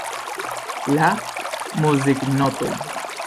La muziknotoj.